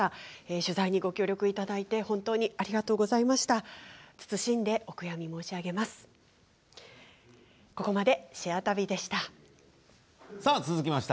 取材にご協力いただいて本当にありがとうございました。